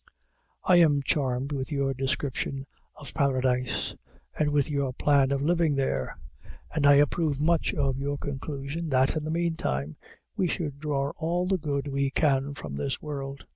I am charmed with your description of Paradise, and with your plan of living there; and I approve much of your conclusion, that, in the meantime, we should draw all the good we can from this world.